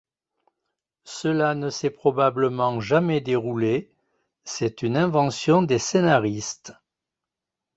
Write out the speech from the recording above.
Cela ne s'est probablement jamais déroulé, c'est une invention des scénaristes.